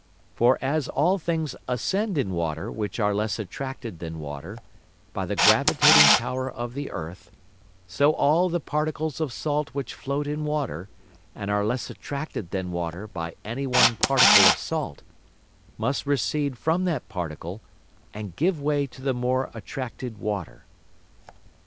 For as all things ascend in Water which are less attracted than Water, by the gravitating Power of the Earth; so all the Particles of Salt which float in Water, and are less attracted than Water by any one Particle of Salt, must recede from that Particle, and give way to the more attracted Water.